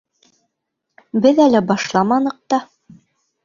— Беҙ әле башламаныҡ та.